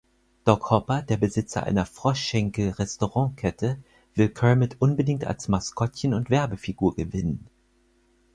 Doc Hopper, der Besitzer einer Froschschenkel-Restaurantkette, will Kermit unbedingt als Maskottchen und Werbefigur gewinnen.